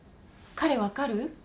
彼わかる？